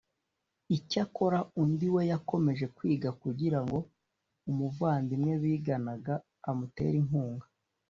Icyakora undi we yakomeje kwiga Kugira ngo umuvandimwe biganaga amutere inkunga